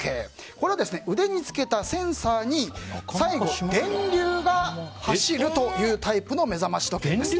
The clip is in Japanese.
これは腕に着けたセンサーに最後、電流が走るというタイプの目覚まし時計です。